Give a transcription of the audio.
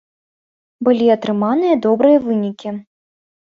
Былі атрыманыя добрыя вынікі.